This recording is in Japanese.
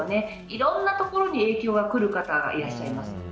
いろんなところに影響が来る方がいらっしゃいます。